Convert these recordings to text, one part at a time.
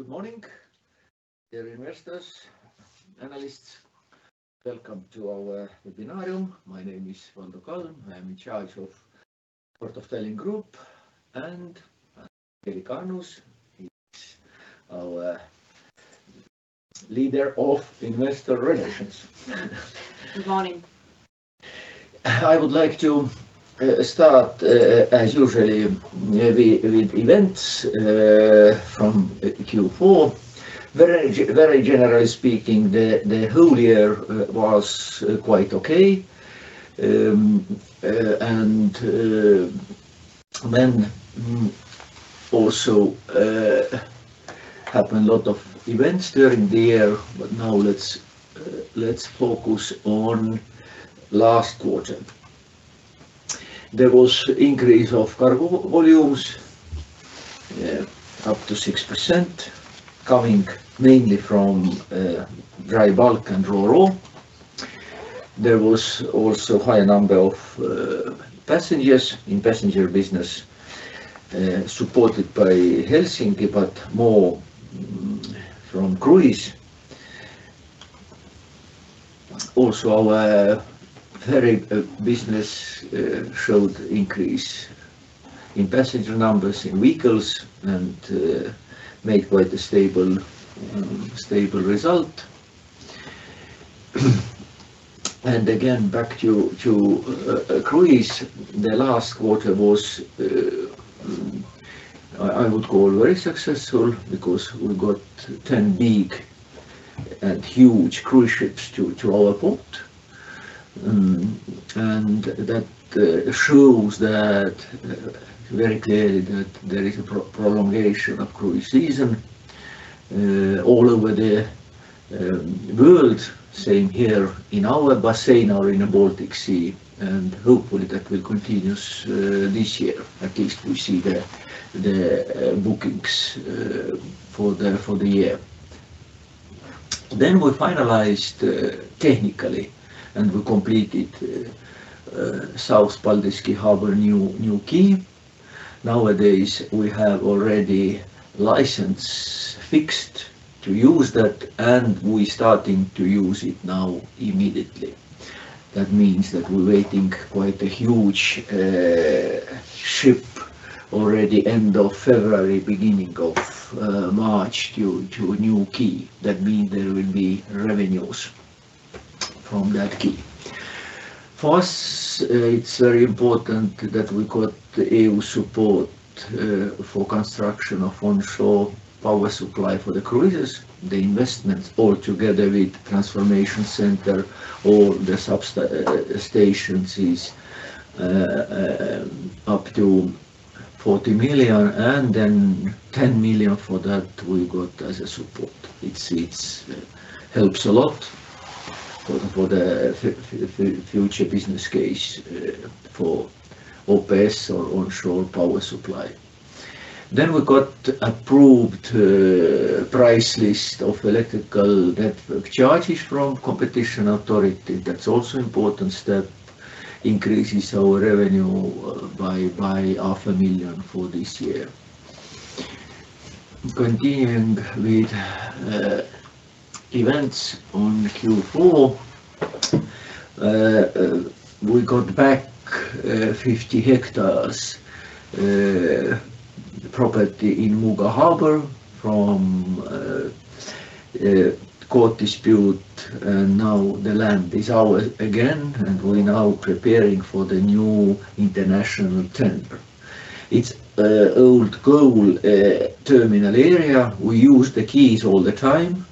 Good morning, dear investors, analysts. Welcome to our webinar. My name is Valdo Kalm. I am in charge of Port of Tallinn Group, and Angelika Annus is our leader of Investor Relations. Good morning. I would like to start as usually with events from Q4. Very generally speaking, the whole year was quite okay. Then also happened a lot of events during the year, but now let's focus on last quarter. There was increase of cargo volumes up to 6%, coming mainly from dry bulk and Ro-Ro. There was also high number of passengers in passenger business, supported by Helsinki, but more from cruise. Also, our ferry business showed increase in passenger numbers in vehicles and made quite a stable result. Again, back to cruise, the last quarter was I would call very successful because we got 10 big and huge cruise ships to our port. That shows very clearly that there is a prolongation of cruise season all over the world, same here in our basin or in the Baltic Sea, and hopefully that will continues this year. At least we see the bookings for the year. We finalized technically, and we completed South Paldiski Harbor new quay. Nowadays, we have already license fixed to use that, and we starting to use it now immediately. That means that we're waiting quite a huge ship already end of February, beginning of March, to a new quay. That mean there will be revenues from that quay. For us, it's very important that we got the EU support for construction of Onshore Power Supply for the cruises, the investments all together with transformation center or the stations is up to 40 million, and 10 million for that we got as a support. It's helps a lot for the future business case for OPS or Onshore Power Supply. We got approved price list of electrical network charges from Competition Authority. That's also important step, increases our revenue by half a million for this year. Continuing with events on Q4, we got back 50 hectares property in Muuga Harbour from a court dispute, and now the land is our again, and we're now preparing for the new international tender. It's a old coal terminal area. We use the quays all the time,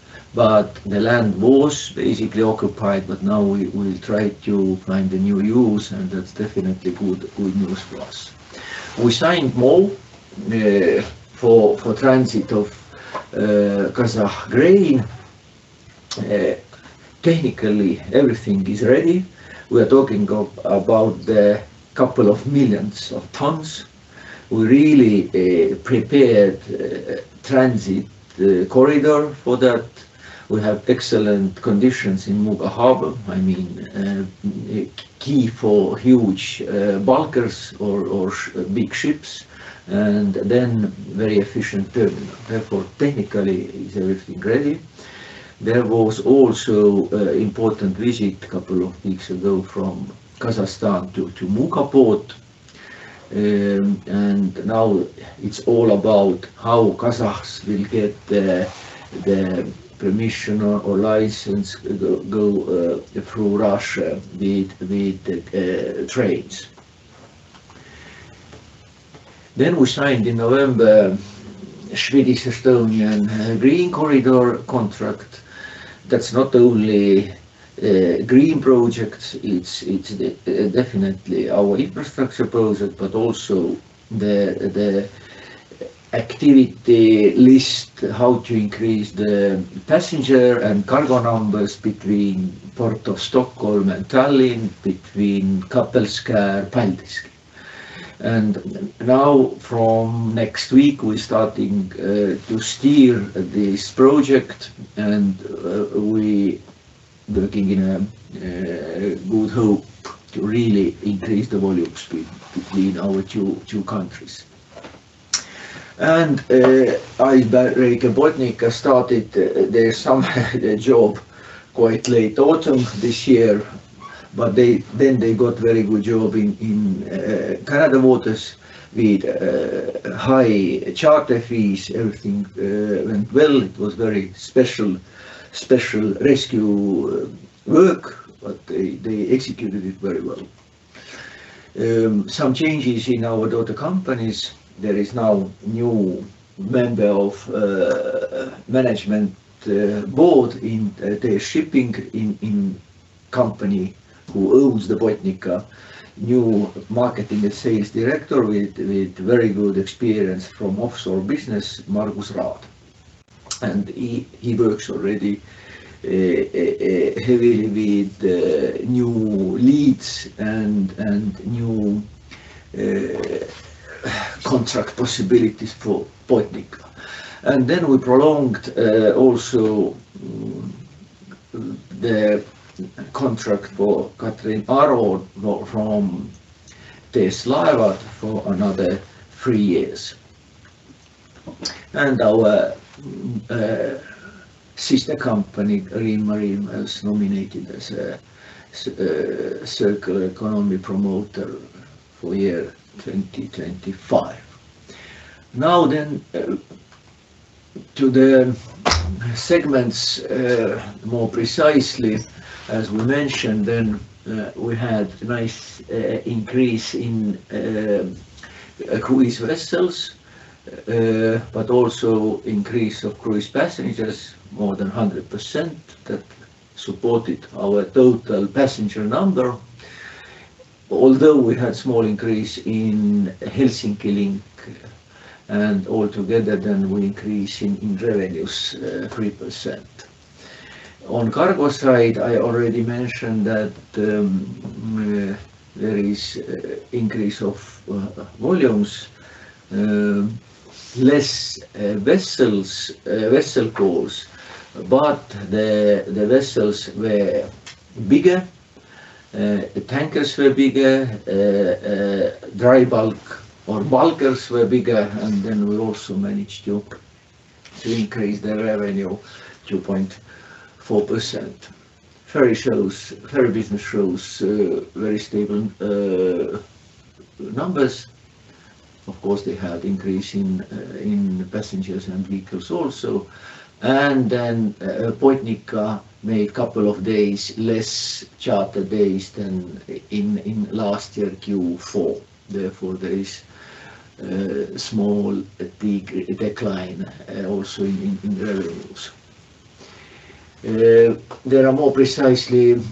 but There is now new member of Management Board in the shipping company who owns the Botnica, new marketing and sales director with very good experience from offshore business, Margus Rääk. He works already heavily with new leads and new contract possibilities for Botnica. We prolonged also the contract for Katrin Aron from TS Laevad for another three years. Our sister company, Green Marine, was nominated as a Circular Economy Promoter for year 2025. To the segments more precisely, as we mentioned, we had a nice increase in cruise vessels, but also increase of cruise passengers, more than 100%. That supported our total passenger number. Although we had small increase in Helsinki link, and altogether, then we increase in revenues, 3%. On cargo side, I already mentioned that, there is increase of volumes, less vessels, vessel calls, but the vessels were bigger, the tankers were bigger, dry bulk or bulkers were bigger, and then we also managed to increase the revenue 2.4%. Ferry shows, ferry business shows, very stable numbers. Of course, they had increase in passengers and vehicles also. Botnica made a couple of days, less charter days than in last year, Q4. Therefore, there is small decline also in revenues. There are more precisely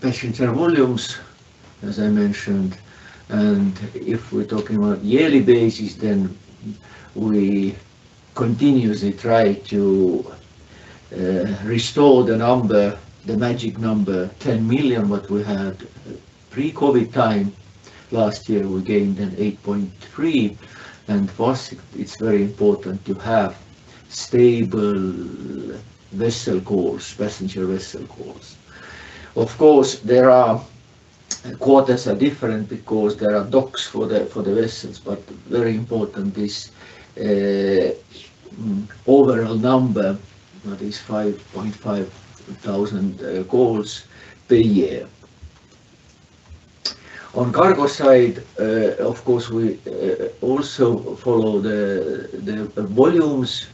passenger volumes, as I mentioned, and if we're talking about yearly basis, then we continuously try to restore the number, the magic number, 10 million, what we had pre-COVID time. Last year, we gained an 8.3, and for us, it's very important to have stable vessel calls, passenger vessel calls. Of course, there are quarters are different because there are docks for the, for the vessels, but very important, this overall number, that is 5,500 calls per year. On cargo side, of course, we also follow the volumes.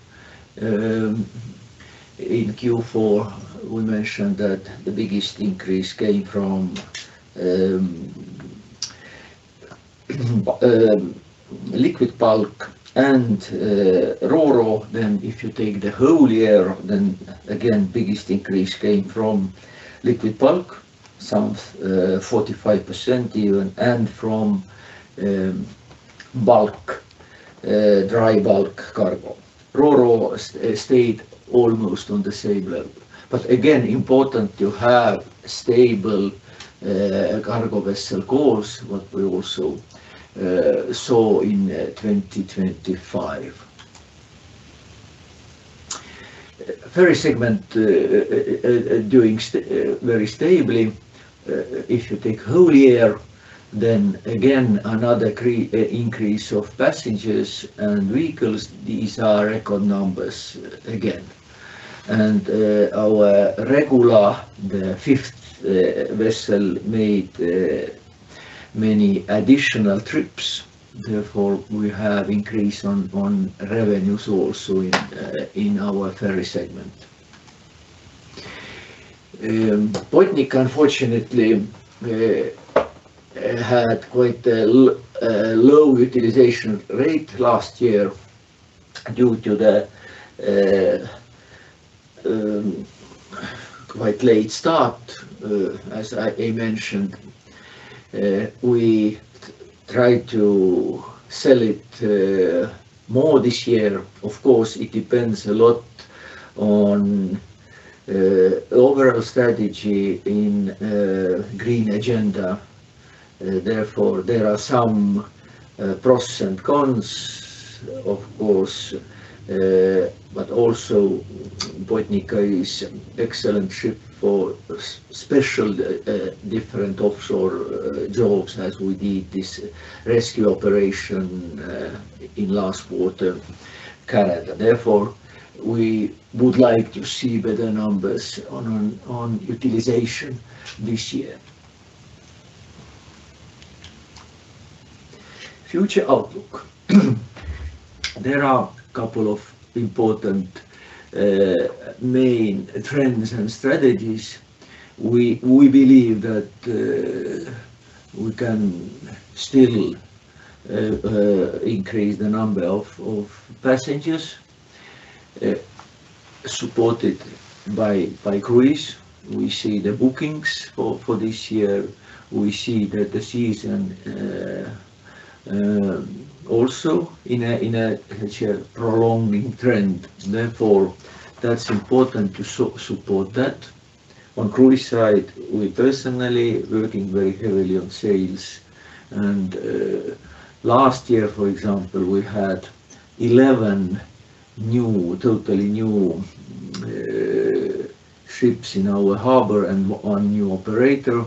In Q4, we mentioned that the biggest increase came from liquid bulk and Ro-Ro. If you take the whole year, then again, biggest increase came from liquid bulk, some 45% even, and from bulk, dry bulk cargo. Ro-Ro stayed almost on the same level, but again, important to have stable cargo vessel calls, what we also saw in 2025. Ferry segment doing very stably. If you take whole year, then again, another increase of passengers and vehicles, these are record numbers again. Our Regula, the fifth vessel, made many additional trips. Therefore, we have increase on revenues also in our ferry segment. Botnica, unfortunately, had quite a low utilization rate last year due to the quite late start as I mentioned. We tried to sell it more this year. Of course, it depends a lot on overall strategy in green agenda. There are some pros and cons, of course, but also Botnica is an excellent ship for special different offshore jobs as we did this rescue operation in last quarter, Canada. We would like to see better numbers on utilization this year. Future outlook. There are a couple of important main trends and strategies. We believe that we can still increase the number of passengers supported by cruise. We see the bookings for this year. We see that the season also in a share prolonging trend. That's important to support that. On cruise side, we personally working very heavily on sales, and last year, for example, we had 11 new, totally new ships in our harbor and one new operator.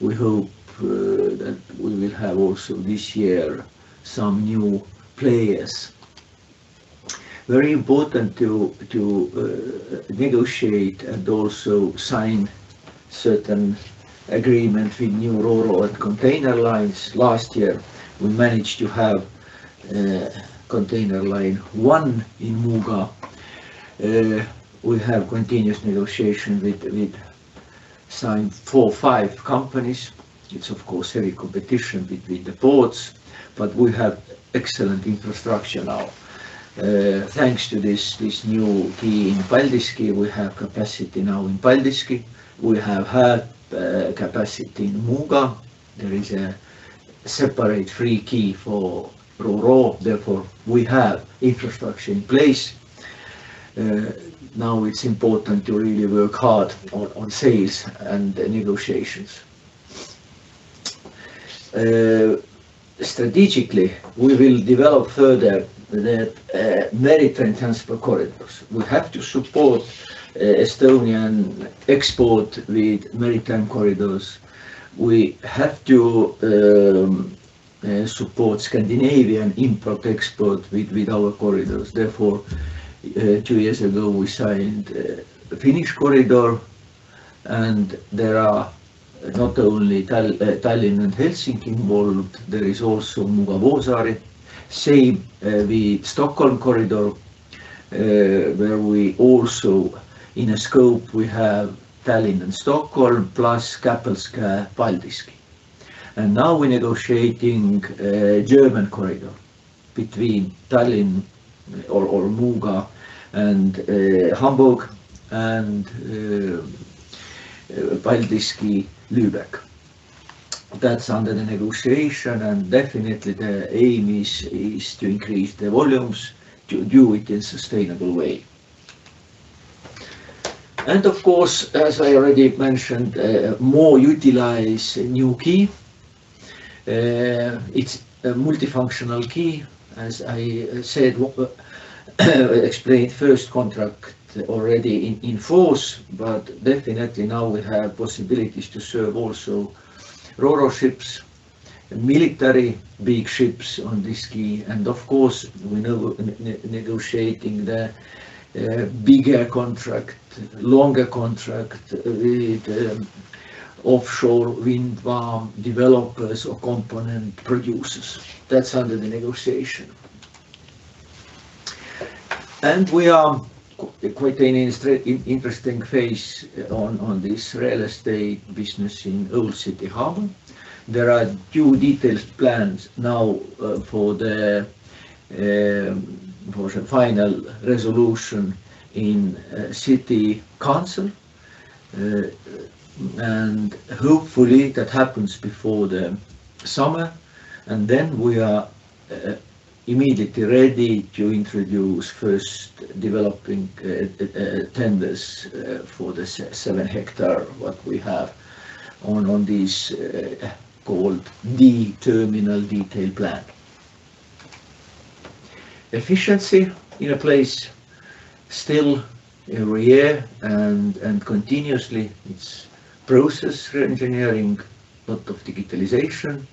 We hope that we will have also this year some new players. Very important to negotiate and also sign certain agreement with new Ro-Ro and container lines. Last year, we managed to have container line one in Muuga. We have continuous negotiation with signed four, five companies. It's of course, heavy competition between the ports, but we have excellent infrastructure now. Thanks to this new key in Paldiski, we have capacity now in Paldiski. We have had capacity in Muuga. There is a separate free key for Ro-Ro, therefore, we have infrastructure in place. Now it's important to really work hard on sales and negotiations. Strategically, we will develop further the maritime transport corridors. We have to support Estonian export with maritime corridors. We have to support Scandinavian import, export with our corridors. Therefore, two years ago, we signed Finnish Corridor, and there are not only Tallinn and Helsinki involved, there is also Muuga-Vuosaari. Same with Stockholm Corridor, where we also in a scope, we have Tallinn and Stockholm, plus Kapellskär Paldiski. Now we're negotiating German Corridor between Tallinn or Muuga and Hamburg, and Paldiski, Lübeck. That's under the negotiation, and definitely the aim is to increase the volumes, to do it in sustainable way. Of course, as I already mentioned, more utilize new key. It's a multifunctional key, as I said, explained first contract already in force, but definitely now we have possibilities to serve also Ro-Ro ships, military big ships on this key, and of course, we know negotiating the bigger contract, longer contract with offshore wind farm developers or component producers. That's under the negotiation. We are quite in an interesting phase on this real estate business in Old City Harbour. There are two detailed plans now for the final resolution in city council. Hopefully, that happens before the summer, we are immediately ready to introduce first developing tenders for the seven hectare, what we have on this called the terminal detail plan. Efficiency in a place still every year and continuously, it's process reengineering, lot of digitalization.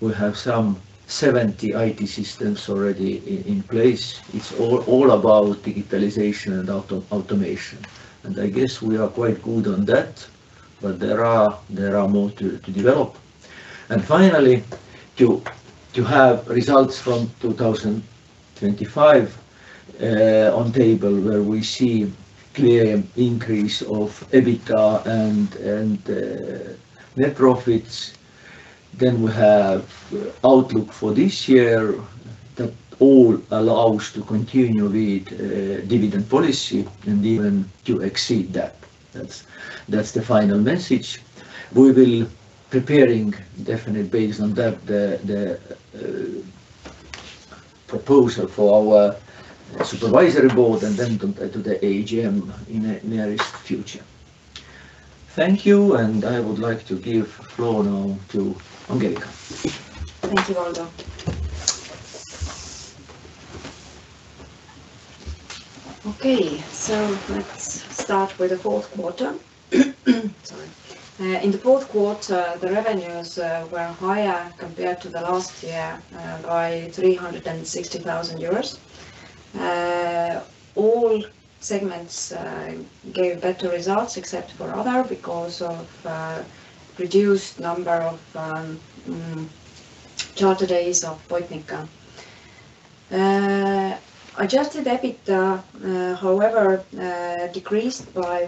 We have some 70 IT systems already in place. It's all about digitalization and automation, I guess we are quite good on that, there are more to develop. Finally, to have results from 2025 on table, where we see clear increase of EBITDA and net profits, then we have outlook for this year that all allows to continue with dividend policy and even to exceed that. That's the final message. We will preparing definitely based on that, the proposal for our supervisory board and then to the AGM in the nearest future. Thank you. I would like to give the floor now to Angelika. Thank you, Valdo. Let's start with the fourth quarter. Sorry. In the fourth quarter, the revenues were higher compared to the last year by 360,000 euros. All segments gave better results except for other, because of reduced number of charter days of Botnica. Adjusted EBITDA, however, decreased by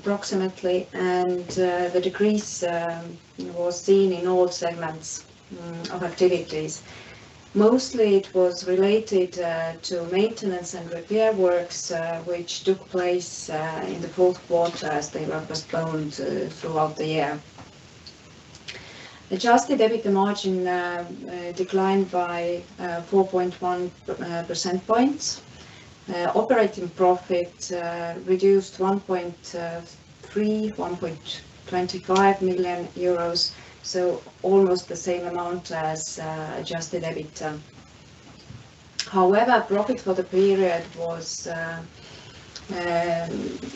approximately 1 million, and the decrease was seen in all segments of activities. Mostly it was related to maintenance and repair works, which took place in the fourth quarter as they were postponed throughout the year. Adjusted EBITDA margin declined by 4.1 percentage points. Operating profit reduced 1.25 million euros, so almost the same amount as adjusted EBITDA. Profit for the period was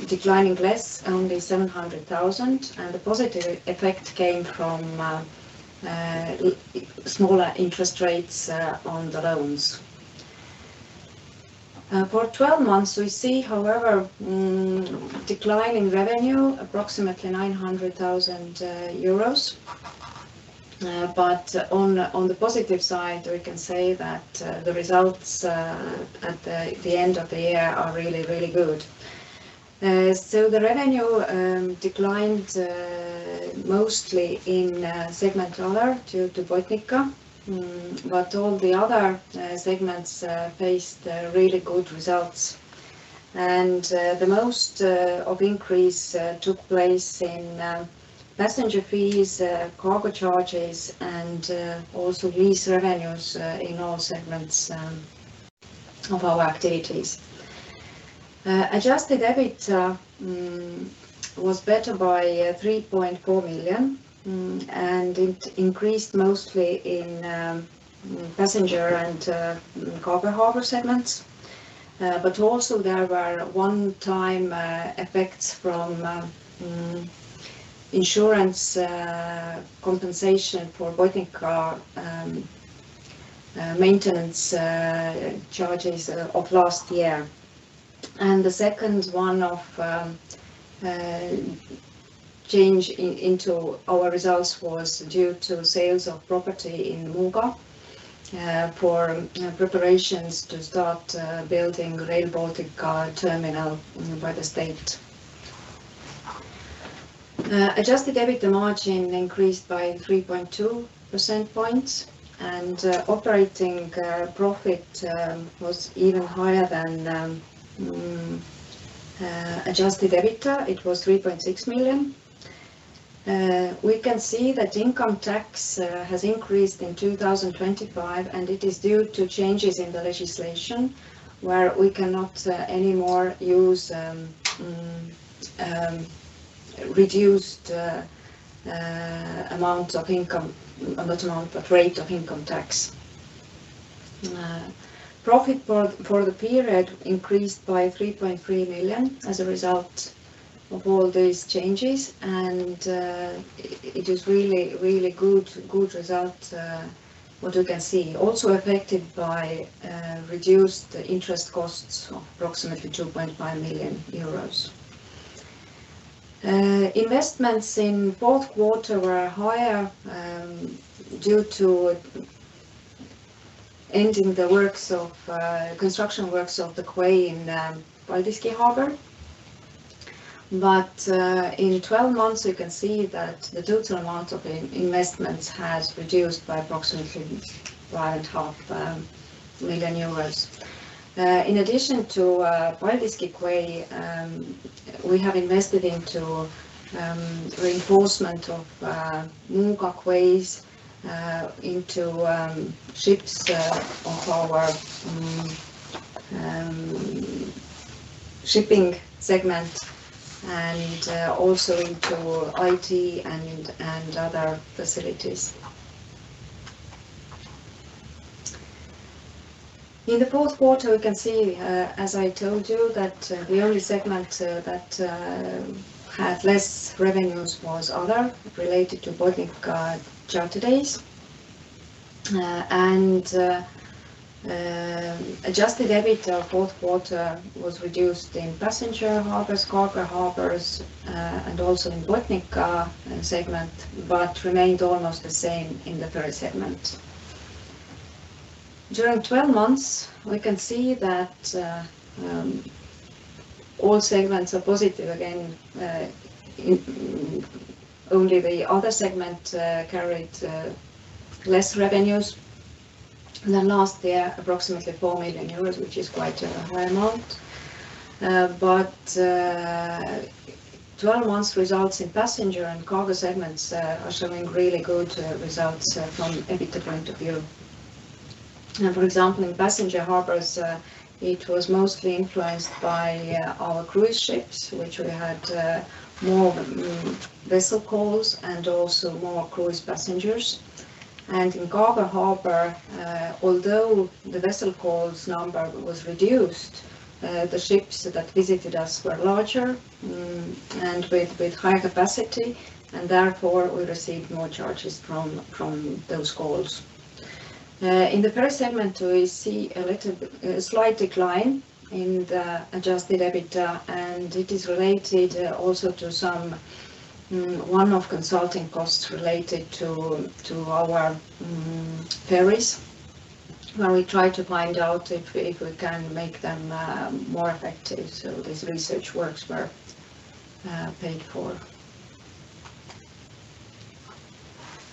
declining less, only 700,000, and the positive effect came from smaller interest rates on the loans. For 12 months, we see, however, decline in revenue, approximately 900,000 euros. On the positive side, we can say that the results at the end of the year are really good. The revenue declined mostly in segment other due to Botnica. All the other segments faced really good results. The most of increase took place in passenger fees, cargo charges, and also lease revenues in all segments of our activities. Adjusted EBITDA was better by 3.4 million and it increased mostly in passenger and cargo harbor segments. Also there were one-time effects from insurance compensation for Botnica maintenance charges of last year. The second one of change in into our results was due to sales of property in Muuga for preparations to start building Rail Baltica terminal by the state. Adjusted EBITDA margin increased by 3.2 percent points. Operating profit was even higher than adjusted EBITDA. It was 3.6 million. We can see that income tax has increased in 2025, and it is due to changes in the legislation, where we cannot anymore use reduced rate of income tax. Profit for the period increased by 3.3 million as a result of all these changes, and it is really good result what you can see. Also affected by reduced interest costs of approximately 2.5 million euros. Investments in fourth quarter were higher due to ending the works of construction works of the quay in Paldiski Harbor. In 12 months, you can see that the total amount of investments has reduced by approximately one and half million euros. In addition to Paldiski Quay, we have invested into reinforcement of Muuga quays, into ships of our shipping segment and also into IT and other facilities. In the fourth quarter, we can see, as I told you, that the only segment that had less revenues was other, related to Botnica charter days. Adjusted EBITDA fourth quarter was reduced in passenger harbors, cargo harbors, and also in Botnica segment, but remained almost the same in the ferry segment. During 12 months, we can see that all segments are positive again. Only the other segment carried less revenues than last year, approximately 4 million euros, which is quite a high amount. 12 months results in passenger and cargo segments are showing really good results from EBITDA point of view. For example, in passenger harbors, it was mostly influenced by our cruise ships, which we had more vessel calls and also more cruise passengers. In cargo harbor, although the vessel calls number was reduced, the ships that visited us were larger and with higher capacity, and therefore we received more charges from those calls. In the first segment, we see a little a slight decline in the adjusted EBITDA, and it is related also to some one-off consulting costs related to our ferries, where we try to find out if we can make them more effective, so this research works were paid for.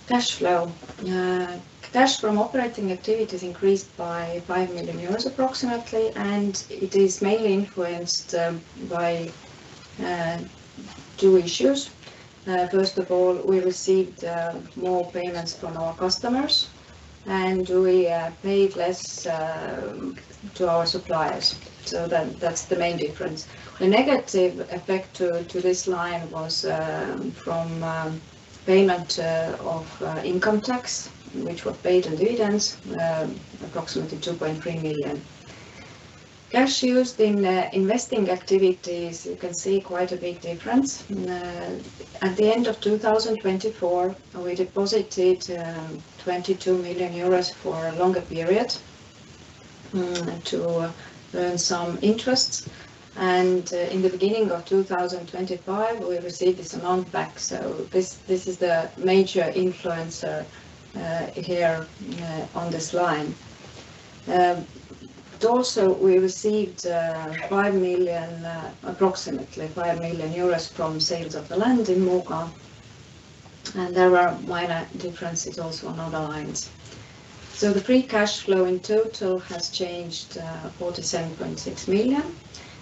Cash flow. Cash from operating activities increased by 5 million euros approximately, and it is mainly influenced by two issues. First of all, we received more payments from our customers, and we paid less to our suppliers, so that's the main difference. The negative effect to this line was from payment of income tax, which was paid in dividends, approximately 2.3 million. Cash used in investing activities, you can see quite a big difference. At the end of 2024, we deposited 22 million euros for a longer period to earn some interest. In the beginning of 2025, we received this amount back, so this is the major influencer here on this line. Also, we received approximately 5 million euros from sales of the land in Muuga, and there are minor differences also on other lines. The free cash flow in total has changed 47.6 million,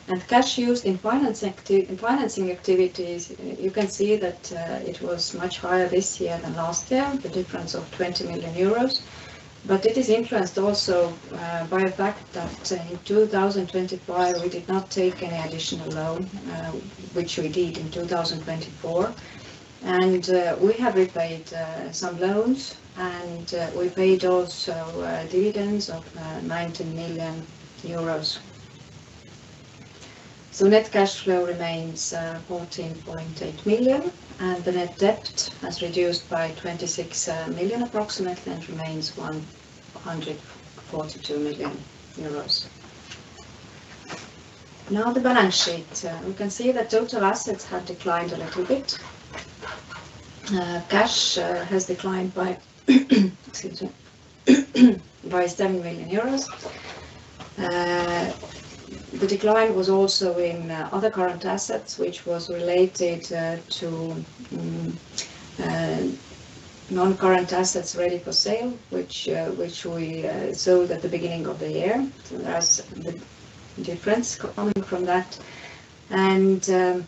and cash used in financing activities, you can see that it was much higher this year than last year, the difference of 20 million euros. It is influenced also by the fact that in 2025, we did not take any additional loan, which we did in 2024. We have repaid some loans, and we paid also dividends of 19 million euros. Net cash flow remains 14.8 million, and the net debt has reduced by 26 million approximately, and remains 142 million euros. The balance sheet. We can see that total assets have declined a little bit. Cash has declined, excuse me, by 7 million euros. The decline was also in other current assets, which was related to non-current assets ready for sale, which we sold at the beginning of the year. There's the difference coming from that. Non-current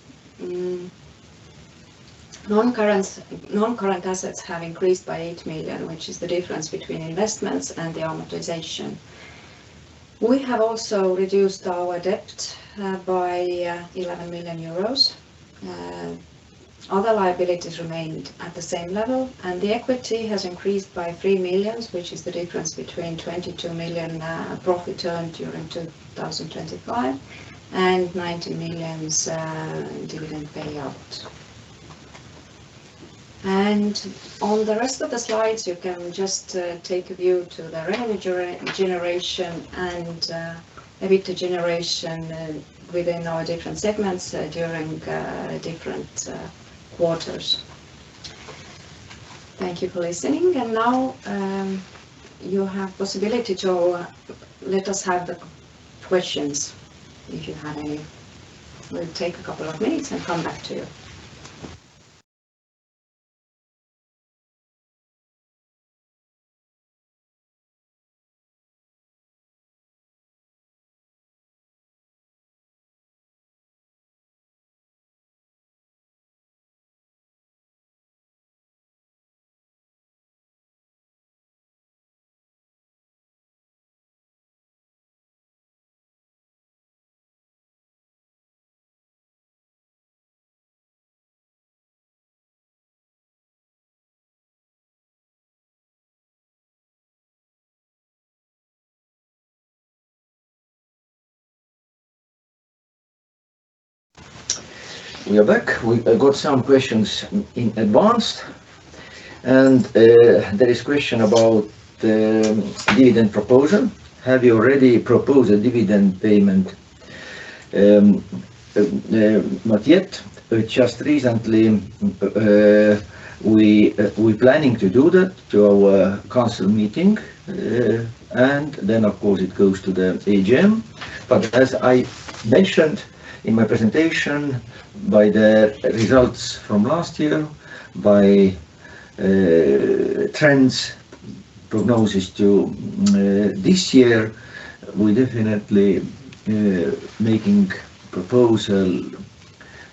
assets have increased by 8 million, which is the difference between investments and the amortization. We have also reduced our debt by 11 million euros. Other liabilities remained at the same level, and the equity has increased by 3 million, which is the difference between 22 million profit earned during 2025, and 19 million dividend payout. On the rest of the slides, you can just take a view to the revenue generation and EBITDA generation within our different segments during different quarters. Thank you for listening, now you have possibility to let us have the questions, if you have any. We'll take a couple of minutes and come back to you. We are back. We got some questions in advanced. There is question about the dividend proposal. Have you already proposed a dividend payment? Not yet, just recently, we planning to do that to our council meeting. Then, of course, it goes to the AGM. As I mentioned in my presentation, by the results from last year, by trends- Prognosis to this year, we definitely making proposal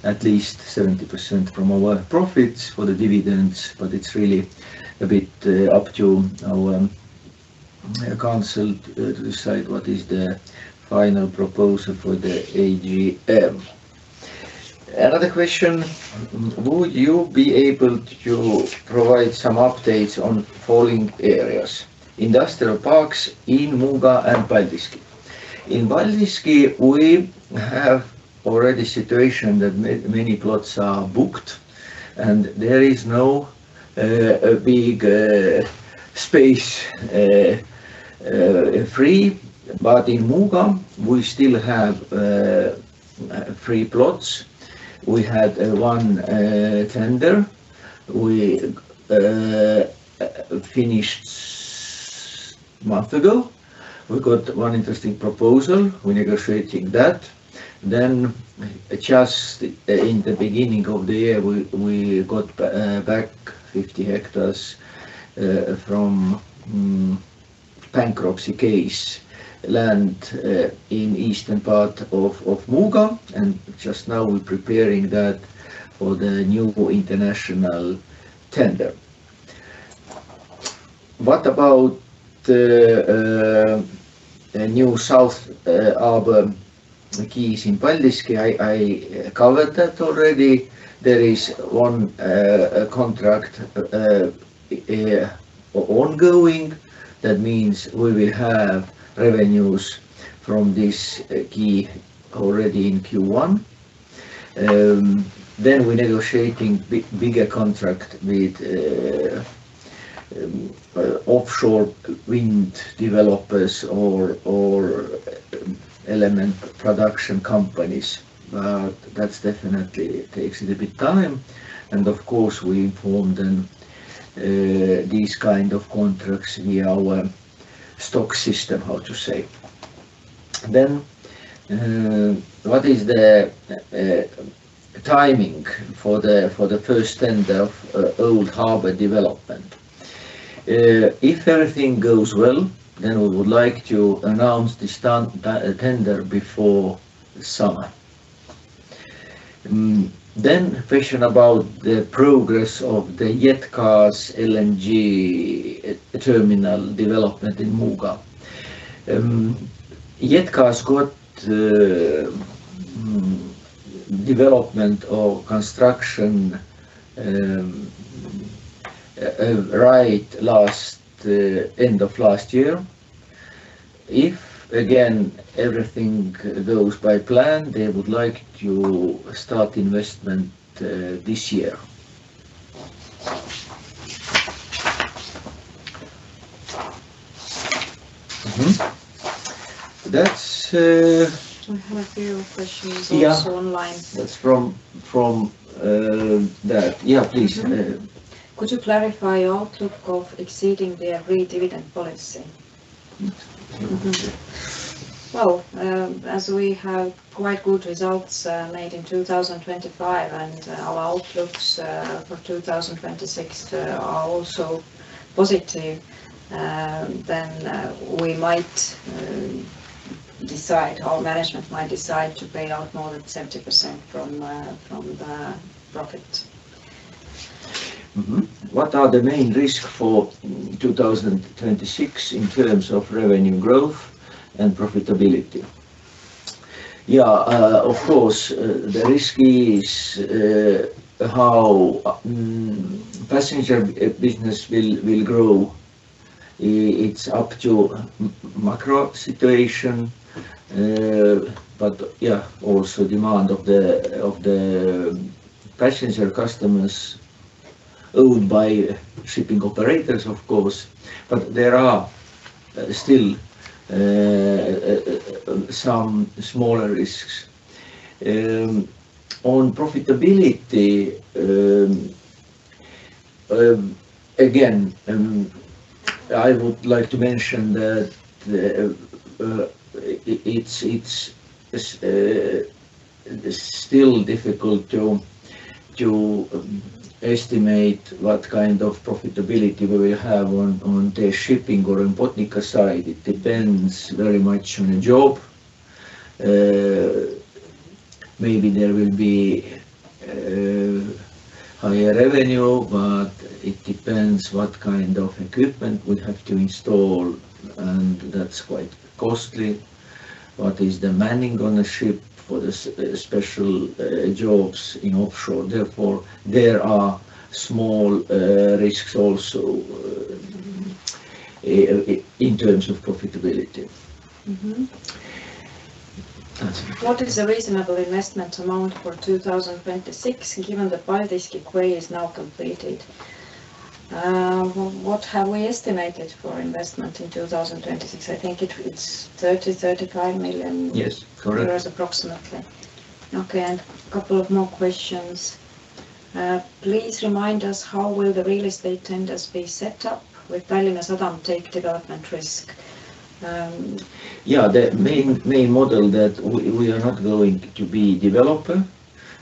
at least 70% from our profits for the dividends, but it's really a bit up to our council to decide what is the final proposal for the AGM. Another question, would you be able to provide some updates on falling areas, industrial parks in Muuga and Paldiski? In Paldiski, we have already situation that many plots are booked, and there is no big space free. In Muuga, we still have free plots. We had one tender. We finished a month ago. We got one interesting proposal. We're negotiating that. Just in the beginning of the year, we got back 50 hectares from bankruptcy case land in eastern part of Muuga, just now we're preparing that for the new international tender. What about the new south harbor, the keys in Paldiski? I covered that already. There is one contract ongoing. That means we will have revenues from this key already in Q1. We're negotiating bigger contract with offshore wind developers or element production companies. That's definitely takes a little bit time, of course, we inform them these kind of contracts via our stock system, how to say. What is the timing for the first tender of old harbor development? If everything goes well, then we would like to announce this tender before summer. Question about the progress of the JetGas LNG terminal development in Muuga. JetGas got development or construction right last end of last year. If, again, everything goes by plan, they would like to start investment this year. That's. We have a few questions. Yeah Also online. That's from that. Yeah, please. Could you clarify outlook of exceeding the every dividend policy? Well, as we have quite good results made in 2025, and our outlooks for 2026 are also positive, then we might decide, or management might decide to pay out more than 70% from the profit. What are the main risks for 2026 in terms of revenue growth and profitability? Of course, the risk is how passenger business will grow. It's up to macro situation, also demand of the passenger customers owned by shipping operators, of course. There are still some smaller risks. On profitability, again, I would like to mention that it's still difficult to estimate what kind of profitability we will have on the shipping or in Botnica side. It depends very much on the job. Maybe there will be higher revenue, but it depends what kind of equipment we have to install, and that's quite costly. What is the manning on the ship for the special jobs in offshore? Therefore, there are small risks also in terms of profitability. Mm-hmm. That's it. What is a reasonable investment amount for 2026, given the Paldiski quay is now completed? What have we estimated for investment in 2026? I think it's 30 million-35 million- Yes, correct. Approximately. Okay, a couple of more questions. Please remind us, how will the real estate tenders be set up with Tallinna Sadam take development risk? Yeah, the main model that we are not going to be developer.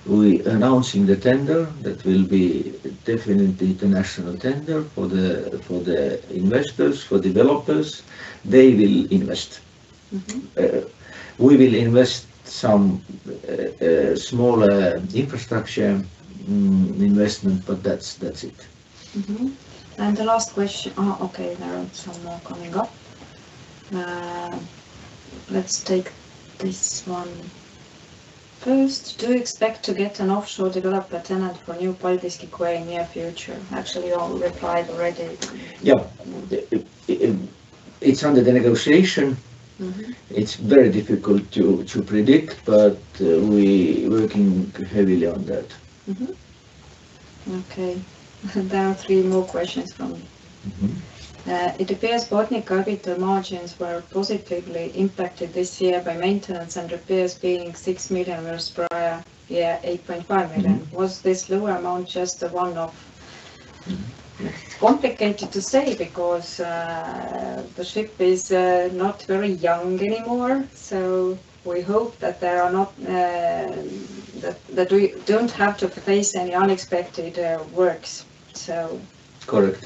We announcing the tender, that will be definitely international tender for the investors, for developers, they will invest. Mm-hmm. We will invest some small infrastructure investment, but that's it. The last question. Oh, okay, there are some more coming up. Let's take this one first. "Do you expect to get an offshore developer tenant for new Paldiski quay in near future?" Actually, you all replied already. Yeah. It's under the negotiation. Mm-hmm. It's very difficult to predict, but we working heavily on that. Okay. There are three more questions from me. Mm-hmm. It appears Botnica capital margins were positively impacted this year by maintenance and repairs being 6 million versus prior year, 8.5 million. Was this lower amount just a one-off?" It's complicated to say because the ship is not very young anymore, so we hope that there are not that we don't have to face any unexpected works, so. Correct.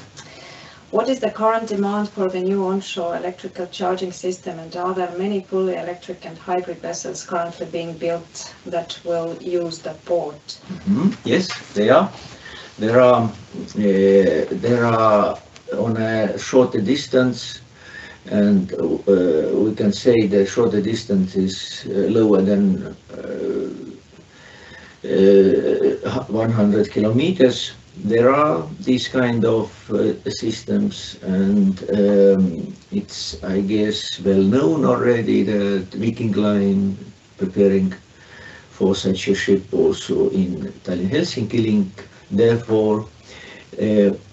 What is the current demand for the new onshore electrical charging system, and are there many fully electric and hybrid vessels currently being built that will use the port? Yes, there are. There are, there are on a shorter distance, we can say the shorter distance is lower than 100 km. There are these kind of systems, it's, I guess, well known already, the Viking Line preparing for such a ship also in Tallinn-Helsinki link.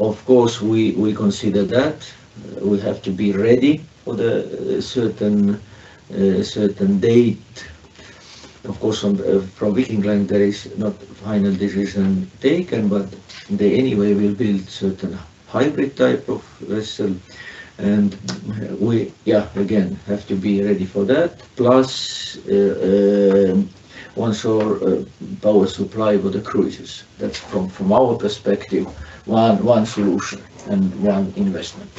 Of course, we consider that. We have to be ready for the certain date. Of course, on, from Viking Line, there is not final decision taken, but they anyway will build certain hybrid type of vessel, we again have to be ready for that. Onshore Power Supply for the cruises. That's from our perspective, one solution and one investment.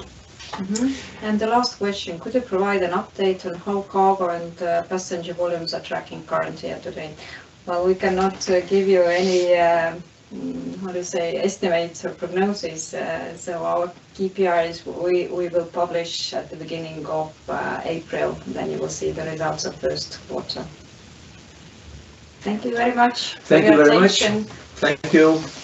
The last question: "Could you provide an update on how cargo and passenger volumes are tracking currently at today?" We cannot give you any, how to say, estimates or prognosis. Our KPIs we will publish at the beginning of April. You will see the results of first quarter. Thank you very much for your attention. Thank you very much. Thank you. Bye.